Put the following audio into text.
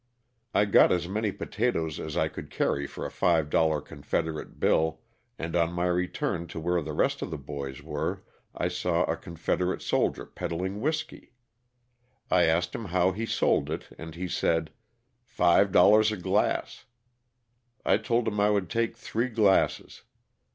I got as many potatoes as I could carry for a five dollar confederate bill, and on my return to where the rest of the boys were I saw a confederate soldier peddling whiskey. I asked him how he sold it, and he said, " five dollars a glass." I told him I would take three glasses.